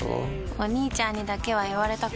お兄ちゃんにだけは言われたくないし。